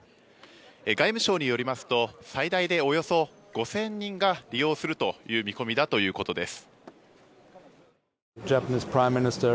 外務省によりますと最大でおよそ５０００人が利用するという見込みだということです。